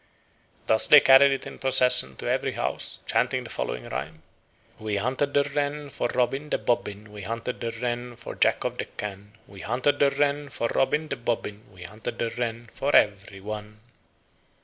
Thus they carried it in procession to every house chanting the following rhyme: "We hunted the wren for Robin the Bobbin, We hunted the wren for Jack of the Can, We hunted the wren for Robin the Bobbin, We hunted the wren for every one."